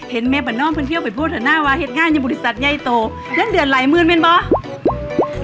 เห็นแม่ประนอมเพื่อนเที่ยวไปพ่อธนาวาเห็ดงานอยู่บริษัทยายโตยันเดือนหลายเมื่อนเป็นป่ะ